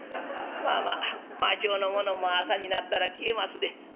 「まあまあ魔性のものも朝になったら消えますで。